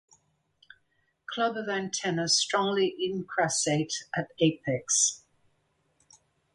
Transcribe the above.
Club of antenna strongly incrassate at apex.